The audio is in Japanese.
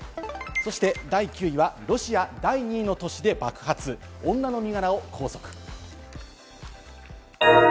第９位はロシア第２の都市で爆発、女の身柄を拘束。